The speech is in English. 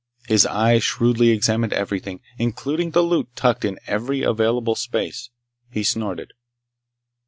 His eyes shrewdly examined everything, including the loot tucked in every available space. He snorted.